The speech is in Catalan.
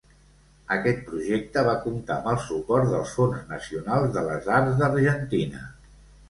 Aquest projecte va comptar amb el suport del Fons Nacional de les Arts d'Argentina.